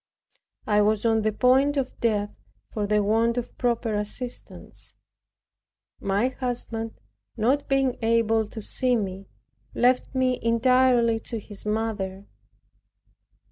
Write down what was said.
I was on the point of death for the want of proper assistance. My husband, not being able to see me, left me entirely to his mother.